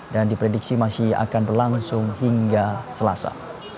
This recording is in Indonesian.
dan diprediksi masih akan berlangsung hingga selasa